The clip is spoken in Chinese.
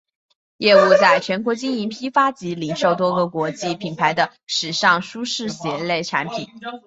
业务在全球经营批发及零售多个国际品牌的时尚舒适鞋类产品。